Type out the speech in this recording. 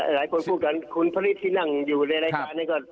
หลายคนพูดกันคุณพระฤทธิที่นั่งอยู่ในรายการนี้ก็